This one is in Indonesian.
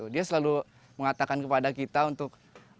dia selalu mengatakan kepada kita untuk